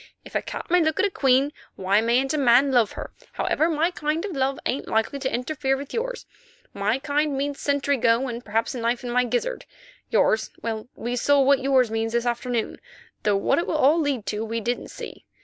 If a cat may look at a queen, why mayn't a man love her? Howsoever, my kind of love ain't likely to interfere with yours. My kind means sentry go and perhaps a knife in my gizzard; yours—well, we saw what yours means this afternoon, though what it will all lead to we didn't see.